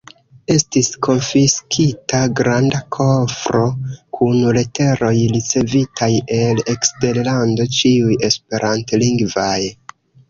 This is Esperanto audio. Estis konfiskita granda kofro kun leteroj ricevitaj el eksterlando, ĉiuj esperantlingvaj.